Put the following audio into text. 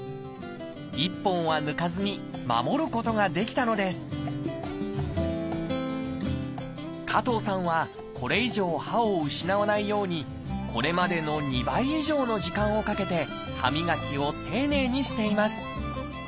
１本は抜かずに守ることができたのです加藤さんはこれ以上歯を失わないようにこれまでの２倍以上の時間をかけて歯磨きを丁寧にしています。